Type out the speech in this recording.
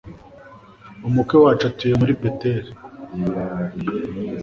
umukwe wacu atuye kuri Beteli,